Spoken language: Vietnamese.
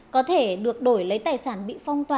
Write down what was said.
có thể được đổi lấy tài sản bị phong tỏa